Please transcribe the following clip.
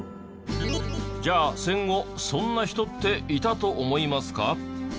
じゃあ戦後そんな人っていたと思いますか？